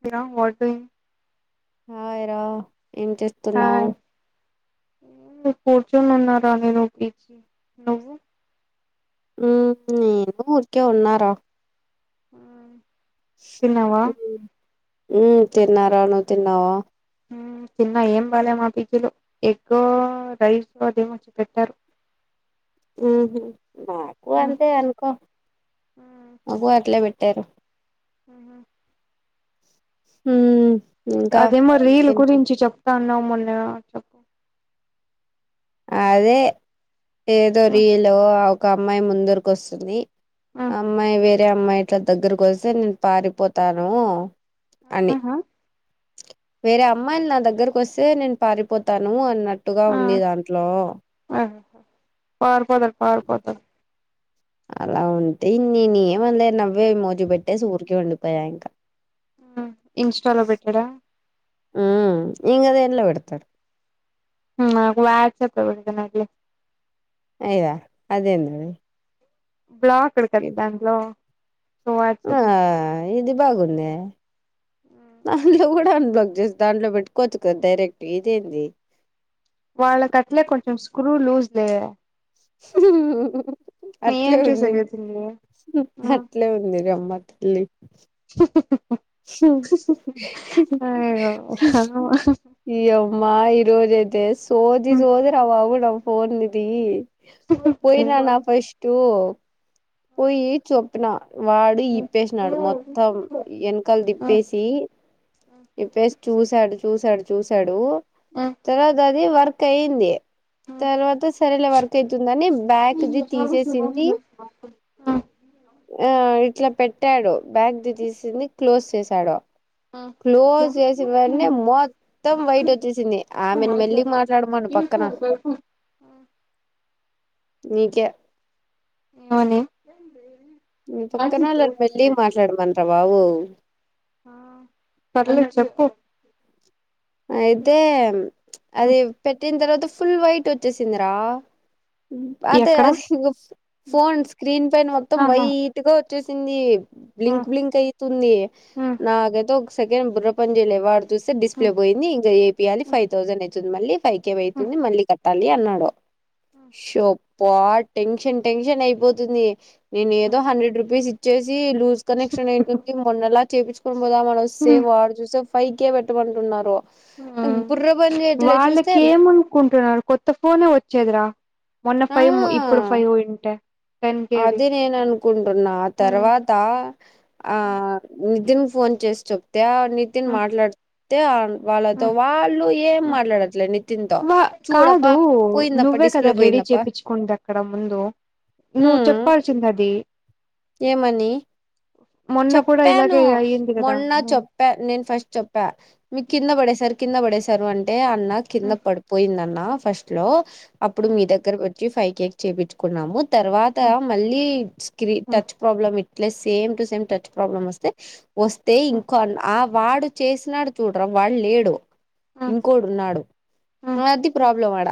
తి నా what doing hi రా ఏం చేస్తున్నావ్ ఏం ఉంది కూర్చోనున్న రా నేను నువ్వు ఉహుమ్ నేను కూడా ఊరికే ఉన్నారా తిన్నావా ఉ తిన్నారా నువ్వు తిన్నావా ఉమ్ తిన్న ఏం బాలే మా పీజీలో ఎగ్గ రైస్ అదేమోచ్చిపేట్టారు ఉహ్మ్ మాకు మ్మ్. అంతే అనుకో మాకు అట్లేపే టేరు అహం హ్మ్ అదేమో రీల్ గురించి చెప్తాన్నవ మొన్న చెప్పు అదే ఏదో మ్మ్, రీలు ఒక అమ్మాయి ముందరకు వస్తుంది మ్మ్, అమ్మాయి వేరే అమ్మాయి ఇట్లా దగ్గరకు వస్తే నేను పారిపోతాను అని ఆహా, వేరే అమ్మాయిలు నా దగ్గరకు వస్తే నేను పారిపోతాను అన్నట్టుగా ఆ, ఉండేదా ఆ ఆహా పారిపోతారు పారిపోతారు అలా ఉంటే నే ఏమంద నవ్వే మోజు పెట్టే ఊరికి ఉండిపోయా ఇంకా ఇన్స్టాలో పెట్టడా లో పెడతారు మాకు వాట్సప్ ఉంటాదండి అదేగా అదేందది బ్లాక్డ్ కదా ఇద్ దాంట్లో సో ఆ వాట్సాప్ ఇది బాగుందే మ్మ్. అందులో నువు కూడా వున్ దండలో పేటుకోచు కదా డైరెక్ట్ ఇదేంది వాళ్లకి అట్లే కొంచెం స్క్రూ లూజ్ దే ఏం అట్లే ఉంది చేసేకైతుంది అట్లే ఉంది రమ ల్లీ అయ్యో హ ఇయ్యమ్మా ఈరోజైతే సోది సోధిర బాబు నా ఫోన్ట్వితే పోయినా నా ఫస్టు వోయీ చెప్పిన వాడు ఇప్పేసినాడు మొత్తం వెనకలది విప్పేసి ఇప్పేసి చూసాడు చూసాడు చూసాడు తర్వాత అది వర్క్ అయింది తర్వాత సరేలే వర్క్ అయితుందని బ్యాక్ది తీసేసింది ఆహ్ ఇట్లా పెట్టాడు బాక్ది తీసింది క్లోజ్ చేసాడు క్లోజ్ చేసిన వెంటనే మొత్తం వైట్ వచ్చేసింది ఆమెను మెల్లిగా మాట్లాడమాను పక్కన ఉమ్ నీకే అవునే నీ పక్కనోళ్ళని మెల్లిగ మాట్లాడమనె బాబు ఆహ్ పర్లేదు చెప్పు అయితే అది పెట్టిన తర్వాత ఫుల్ వైట్ వచ్చేసిందిరా అదే ఎక్కడ ఆది ఫోన్ స్క్రీన్ పైన మొత్తం ఆహా వైట్గా వచ్చేసింది బ్లింక్ బ్లింక్ అయితుంది నాకైతే ఒక సెకం బుర్ర పని చేయలే వాడు చూస్తే లో పోయింది ఇంకా ఏపీయాలి ఫైవ్ థౌజండ్ అవుతుంది మళ్ళీ ఫైవ్ కే అవుతుంది మళ్ళీ కట్టాలి అన్నాడు షో అభా టెన్షన్ టెన్షన్ అయిపోతుంది నేను ఏదో హండ్రెడ్ రూపీస్ ఇచ్చేసి లూజ్ కనెక్షన్ అయుంటుంది మొన్నలా చేపు పోదామని వస్తే వాడు చూస్తే ఫై కే పెట్టమంటునారు ఆహ్ వాళ్ళకి ఏమనుకుంటున్నారు కొత్త ఫోనే వచ్చేదిరా మొన్న ఫైవ్ ఆ ఇప్పుడు ఫైవ్ ఉంటే టెన్ కేది అది నేను అనుకుంటున్నా ఆహ్ తర్వాత ఆహ్ నితిన్ ఫోన్ చేస్త నితిన్ మాట్లాడితే వాళ్ళతో వాళ్ళు ఏం మాట్లాడట్లేదు నితిన్తో వా కాదు నువ్వే కదా రెడీ పోయిందప్ప చేయించుకుంది అక్కడ ముందు నువ్వు ఉమ్ చెప్పాల్సింది అది ఏమని మొన్న కూడా చెప్పాను ఇలాగే అయ్యింది కదా మొన్న చప్పా నేను ఫస్ట్ చెప్పా మీక్ కింద పడేసరి కింద పడసారు అంటే అన్న కింద పడిపోయింద అన్న ఫస్ట్ లో అప్పుడు మీ దగ్గర ఫైవ్ కే కి చేయించుకున్నాము తర్వాత మళ్ళీ స్క్రీన్ ప్రబ్ ఇ సే same to same touch problem వస్తే వస్తే ఇం వాడు చేసినడు చూడురా వాడు లేడు ఇంకోడు ఉన్నాడు అది ప్రాబ్లం అడ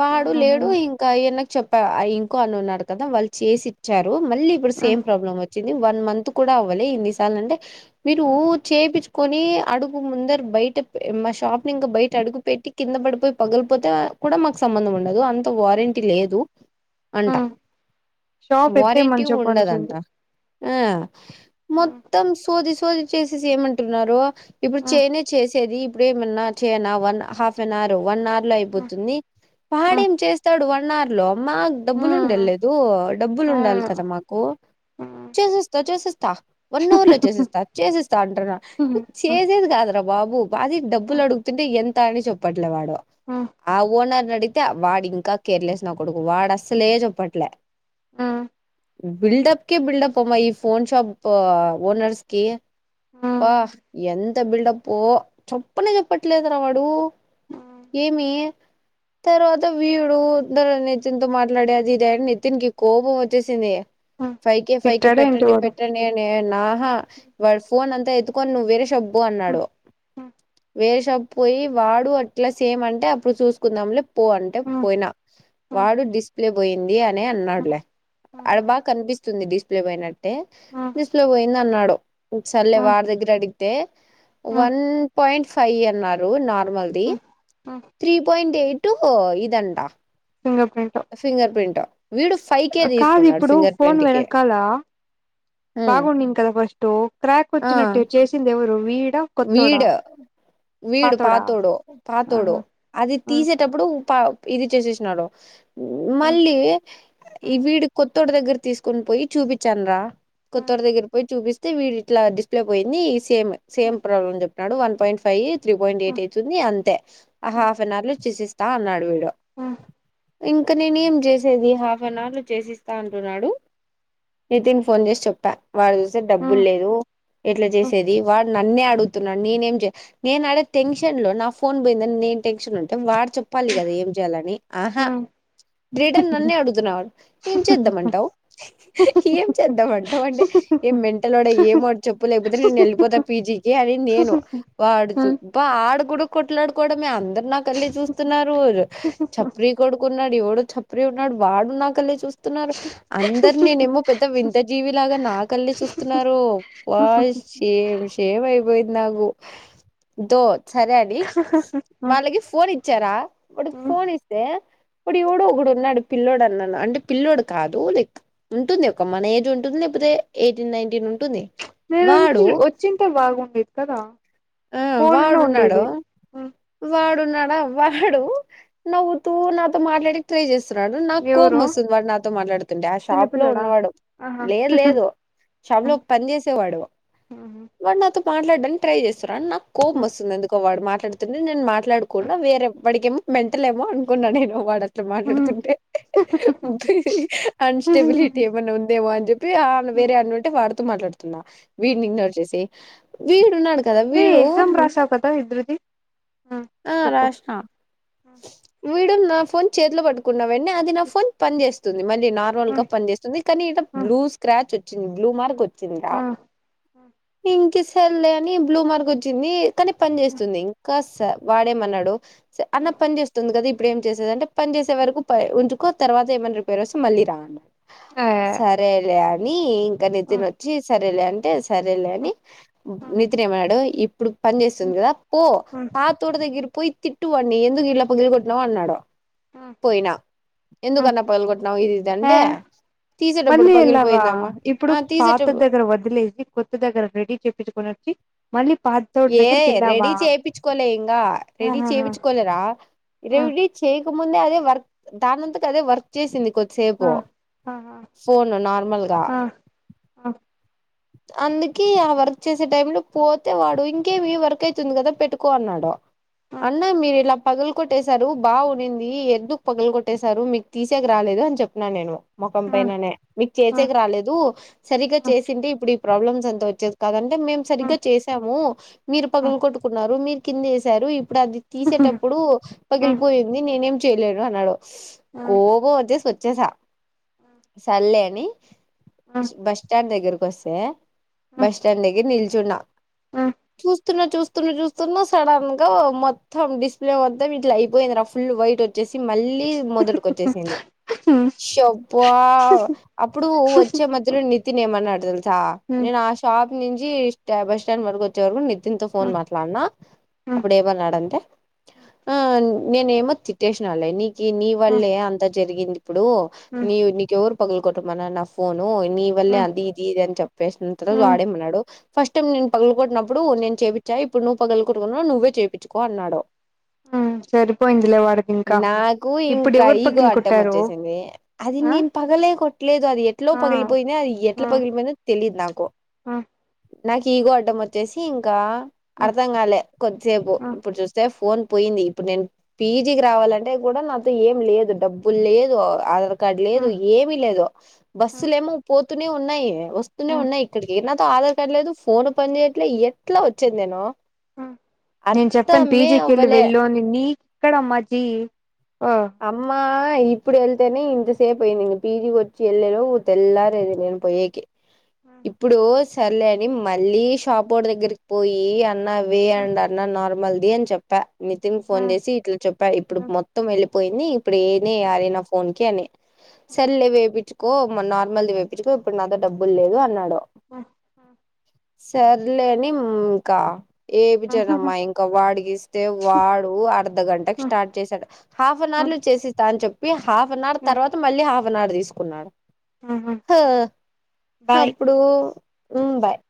వాడు లేడు ఇంకా ఏన్న చెప్ప ఇంకో అన్న ఉన్నాడు కదా వాళ్ళు చేసి ఇచ్చారు మళ్ళీ ఇప్పుడు సేమ్ ప్రాబ్లమ్ వ వచ్చిది వన్ మంత్ కూడా అవ్వాలే ఇన్ని సార్లు అంటే మీరు చేయిు కొని అడుగు ముందర బయట మా షాప్ ని ఇంకా బయట అడుగు పెట్టి కింద పడిపోయి పగలిపోతే కూడా మాకు సంబంధం ఉండదు అంత వారెంటీ లేదు అంట షాప్ వారెంటీ ఎత్తేయమని ఉండదంట చెప్పాల్సింది ఆహ్ మొత్తం సోది సోది చేసేసి ఏమంటున్నారు ఇప్పుడు చేయనే చేసేది ఇప్పుడు ఏమన్నా చేయనా one half an hour one hour లో అయిపోతుంది వాడేం చేస్తాడు వాడ్ వన్ అర్ లో మాకు డబ్బులు ఉండే లేదు డబ్బులు ఉండాలి కదా మా కు చేసిస్తా చేసిస్తా వన్ అవర్ లో చేసిస్తా చేసిస్తా తా అంటున్నా చేసేది కాదురా బాబు అది డబ్బులు అడుగుతుంటే ఎంత అని చెప్పట్లే వాడు ఆ ఓనర్నీ అడుగుతే వాడు ఇంకా కేర్లెస్ నా కొడుకు వాడు అస్సలే చెప్పట్లే బిల్డప్ కి బిల్డప్ అమ్మా ఈ ఫోన్ షాప్ ఓనర్స్కి వా ఎంత బిల్డప్ చొప్పున చెప్పట్లేదు వాడు ఏమి తర్వాత వీడుద్దరు నితిన్ తో మాట్లాడేది రే నితిన్ కి కోపం వచ్చేసింది ఫైక ఫైక తిట్టాడా ఏంటి పెట్టండి వాడు పెట్టండి అనే నా ఆహ వాడు ఫోన్ అంతా ఎత్తుకొని నువ్వు వేరే షాప్ కీ పో అన్నాడు వేరే షాప్ పోయి వాడు అట్లా సేమ్ అంటే అప్పుడు చూసుకుందాంలే పో అంటే పోయినా వాడు డిస్ప్లే పోయింది అనే అన్నాడులే చాలా బాగా కనిపిస్తుంది డిస్ప్లే పోయినట్టే డిస్ప్లే పోయింది అన్నాడు సల్లే వాడి దగ్గర అడి అయితే వన్ పాయింట్ ఫైవ్ అన్నారు నార్మల్ ది త్రీ పాయింట్ ఎయిట్ ఇదంట ఫింగర్ ప్రింట్ ఫింగర్ ప్రింట్ వీడు ఫైవ్ కే కాదు తీసుకున్నాడు ఇప్పుడు ఫింగర్ ఫన్ ప్రింట్ కి వెనుకాల ఉమ్, బాగుండిను కదా ఫస్ట్ క్రాక్ ఆ వచ్చినట్టు చేసింది ఎవరు వీడా కొత్తోడా వీడు వీడు పాతోడా పాతోడు పాతోడు ఆహా అది తీసేటప్పుడు పా ఇది చేసేసినాడు మళ్ళీ ఈ వీడి కొ కొత్తో దగ్గర తీసుకుొని పోయి చూపించాను రా కొత్తోడి దగ్గర పోయి చూపిస్త యితే వీడి ఇట్లా డిస్ప్లే పోయింది సేమ్ సేమ్ ప్రాబ్లమ్ చెప్నన్నాడు one point five three point eight అవుతుంది అంతే ఆ హాఫ్ అన్ అవర్ లో చసి ఇస్తా అన్నాడు వీడు ఇంకా నేను ఏం చేసేది హాఫ్ అన్ అవర్లు చేసిస్తా అంటున్నాడు నితిన్ ఫోన్ చేసి చెప్పా వాడు చూస్తే డబ్బులు లేదు ఎట్లా చేసేది వాడు నన్నే అడుగుతున్నాడు నేనేం చే నేను ఆడే టెన్షన్ లో నా ఫోన్ పోయిందని నేను టెన్షన్ ఉంటే వాడు చెప్పాలి కదా ఏం చేయాలని ఆహా లీడర్ నన్నే అడుగుతున్నావా ఏం చేద్దామంటావు ఏం చేద్దాంమంటావు అంటే ఏ మెంటలోడ ఏమో చెప్పు లేకపోతే నేను వెళ్ళిపోతా పీజీకి అని నేను వాడుతూబా ఆడ కూడా కొట్లాడుకోవడమే అందరు నా కళ్లి చూస్తున్నారు చప్రి కొడుకున్నాడు ఎవడు చప్రి ఉన్నాడు వాడు నా కళ్లి చూస్తుడు స్తున్నారు అందరు నేనేమో పెద్ద వింత జీవిలాగా నా కల్లే చూస్తున్నారు సేల్స్ బయటనే ఆగు దోత్ సరే అండి వాళ్ళకి ఫోన్ ఇచ్చారా ఇప్పుడు ఫోన్ ఇస్తే ఇప్పుడువడు ఒకడు ఉన్నాడు పిల్లోడు అన్నా అంటే పిల్లోడు కాదు లైక్ ఉంటుంది ఒక మన ఏజ్ ఉంటుంది ఎయిటీన్ నైన్టీన్ ఉ నేను ఆ నుంచి వచ్చేంత బాగుండేది కదా ఆ ఫోన్న్నా ఉండేది అవ్డు నవ్వుతూ నాతో మాట్లాడి ట్రై చేస్తడు వస్తున్నాడు నాకు కోపం ఎవరు వస్తుంది వాడు నాతో మాట్లాడుతుండే ఆ షాప్ లో చిన్నపిల్లడా ఉన్నవాడు ఆహా లేదు లేదు షాప్ లో పని చేసేవాడు మాట్లాడని ట్రై చేస్తారు నాకు కోపం వస్తుంది ఎందుకో మాట్లాడుే నే మాట్లాడుకున్నా వేరే వాడికమోెంటల్ ఏమో అనుకున్నా వాడ అట్లా మాట్లాడుతుంటే అన్స్టెబిలిటీ ఏమైన్నా ఉందేమో అని చెప్పి ఆమె వేరే అన్న ఉంటే వాడుతో మాట్లాడుతున్నా వీడిని ఇగ్నోర్ చేసి వి రే ఎగ్జామ్ రాశావు కదా ఇద్దరుది ఆ వీడు నా ఫోన్ చేతులు పట్టుకున్నా వెడి అది నా ఫోన్ పని చేేస్త మళ్ళీ నార్మల్గ పన్ చేస్తుంది కనీ ఇత బ్లూ స్క్రాచ్ వచ్చింది బ్లూ మార్క్ వచ్ చ్చిందా ఆ ఆ పింకి సెల్లే అని బ్లూ మార్క్ వచ్చింది కనీ పని చేస్తుంది ఇంకాస్త వాడేమన్నాడు అన్న పన్ చేస్తుంది కదా ఇప్పుడేం చేసేదంటే పన్ చేసే వరకు ప ఉంచుకో తర్వాత ఏమన్న రిపేర్ వస్తే మళ్ళీ అన్నా సరేలే అని ఇంకా నితిన్ వచ్చి సరేలే అంటే స రేలే అని నితిన్ ఏమన్నాడు ఇప్పుడు పన్ చేస్తుంది గదా పో పాతోడ్ దగ్గర పోయి తిట్టువాడ్ని ఎందుకు ఇట్ల పగిలి కొట్టినవా అన్నాడు పోయినా ఎందుకన్న పగల గొట్టినవ్ ఇది ఇదంటే మళ్ళీ ఎల్లావా ఇప్పుడు పాత తీసేటప్పు దగ్గర వదిలేసి కొ త్త దగ్గర రెడీ చేపిచ్చుకోని అచ్చి మళ్ళీ పాతోటి ఏ దగ్గరికి రెడి ఎళ్ళావా చేపిచ్చుకోలే ఇంగా రెడి ఆహాహా చేపిచ్చుకోలేరా ఆ రెడీ చేయకముందే అదే వర్క్ దానంతట అదే వర్క్ చేసింది. ఆ కొద్దిసేపు ఆహా ఫోన్ నార్మల్గా ఆ ఆ అందుకే ఆ వర్క్ చేసే టైమ్లో పోతే వాడు ఇంకేమి వర్క్ అయితుంది కదా పెట్టుకో అన్నాడు. ఆ అన్నా మీరిల పగల్ కొట్టేశారు బా ఉనింది ఎందుక్ పగల్ కొట్టేశారు మీక్ తీసాక రాలేదు అని చెప్పినాన్ నేను మొఖం ఆ పైననే మీక్ ఆ ఆ చేసేక రాలేదు సరిగ్గా ఆ చేసింటే ఇప్పుడి ప్రాబ్లమ్స్ అంత వచ్చేది కాద టే మేం ఆ సరిగ్గా చేసాము మీరు పగల కొట్టుకున్నారు మీర్ కిందేసారు ఇప్పుడు అది తీసేటప్పుడూ పగిలిపోయింది నేనేం చేయలేను అన్నాడు. కోపం వచ్చేస్ వచ్చేసా సర్లే అని బస్ స్టాండ్ దగ్గర్కొస్తే బస్ స్టాండ్ దగ్గర్ నిల్చున్న చూస్ స్తున్న చూస్తున్న చూస్తున్న సడన్గా మొత్తం డిస్ప్లే మొత్తం ఇట్లా అయిపోయిందిరా ఫుల్ వైట్ వచ్చేసి మళ్ళీ మొదటికొచ్చేసింది. హ్మ్ హ్మ్ హ్మ్ హ్మ్ అప్పుడు వచ్చే మధ్యలో నితిన్ ఏమన్నాడు తె ఆ నేనా షాప్ నుంచి బస్ స్టాండ్ వరకు వచ్చే వరకు ని తిన్తో ఫోన్ మాట్లాన్న హ్మ్ అప్పుడేమన్నాడంటే ఆ నేనేమో తిట్టేసినాలే నీకు నీ హ్మ్ వల్లే అంత జరిగింది ఇప్పుడు హ్మ్ నీ నీకెవరు పగల్ కొట్టమన్నార్ నా ఫోను నీ వల్లే అది ఇది ఇద ఇది అన్ చెప్పేసుంటాడు హ్మ్ వాడేమన్నాడు ఫస్ట్ టైమ్ నేన్ పగుల కొట్నప్పుడు నేన్ చేపిచ్చా ఇప్పుడు నువ్వు పగల కొట్టుకున్నవ్ నువ్ నువ్వే చెప్పిచుకో అన్నాడు. ఉమ్ సరిపోయిందిలే వాడికి ఇంకా నాకు ఇప్పుడు ఇంక ఎవరు ఈగో పగిలి అడ్డం కొట్టారు వచ్చేసింది అది ఆ నేన్ పగలే కొట్లేదు అది ఎట్లో ఆ పగిలిపోయింది అది ఎట్లా ఆ పగిలిపోయిందో తెలీద్ నాకు ఆ ఆ నాక్ ఈగో అడ్డం వచ్చేసి ఇంకా అర్థం కాలే కొద్దిసేపు ఆ ఇప్పుడు చూస్తే ఫోన్ పోయింది ఇప్పుడ్ నేన్ పీజీకి రావాలంటే కూడా నాతో ఏం లేదు డబ్బుల్ లేదు ఆ కార్డ్ దార్ ఆ లేదు ఏమి లేదు ఆ బస్సులేమో పోతూనే ఉన్నాయి వస్తూనే ఉన్నాయి ఇక్కడ్కి ఆధార్ కార్డ్ లేదు ఫోను పన్ చేయట్లే ఎట్ల వచ్చేద్ నేను నేన్ చెప్పన్ అర్థమే పీజికెళ్ళి అవ్వలే వెళ్ళు అని నీ ఇక్కడ మాకీ అమ్మా అ ఇప్పుడ్ ఎళ్తేనే ఇంత సేప్ అయింది ఇంగ పిజీకొచ్చి వెళ్ళేలో తెల్లారేది నేను పోయేకి ఇప్పుడు సర్లే అని మళ్ళీ షాపోడ్ దగ్గర్కి పోయి అ న్న వేఅండ్ అన్నా నార్మల్ది అన్ చెప్పా నితిన్ ఆ ఆ ఫోన్ చేసి ఇట్ల చెప్పా ఇప్పుడు మొత్తం వెళ్ళి పోయింది ఇప్పుడు ఏనే అది నా ఫోన్కి అని సర్లే వేపించుకో నార్మల్ది వేపించుకో ఇప్పుడు నా దే డబ్బులు లేదు అన్నాడు హుహ్ సర్లే అని ఇంకా ఎపిచ్చనమ్మ ఇంకా వాడికి ఇస్తే వాడు అర్ధ గంటకు స్టార్ట్ చేశాడు హాఫ్ అన్ ఆ అవర్లో చేసిస్తా అని చెప్పి హాఫ్ అన్ అవర్ ఆ తర్వాత మళ్ళీ హఫ్ అన్ అవర్ తీసుకున్నాడు థా బాయ్ అప్పుడు ఉమ్ బాయ్